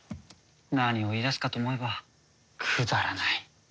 何を言い出すかと思えばくだらない。